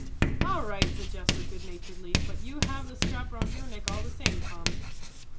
"All right," said Jasper, good naturedly, "but you have the strap round your neck all the same, Tom."